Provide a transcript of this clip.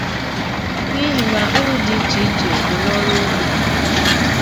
n'ihi na úrù dị icheiche dị n'ọrụ ugbo.